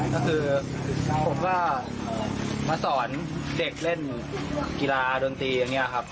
ก็คือผมก็มาสอนเด็กเล่นกีฬาดนตรีอย่างนี้ครับ